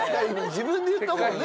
自分で言ったもんね。